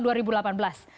jadi kita lihat